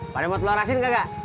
pada mau telur asin kagak